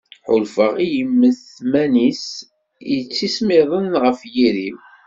Ḥulfaɣ i yimetman-is yettismiḍen ɣef yiri-w.